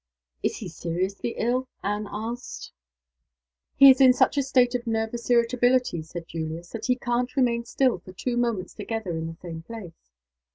"Is he seriously ill?" Anne asked. "He is in such a state of nervous irritability," said Julius, "that he can't remain still for two moments together in the same place.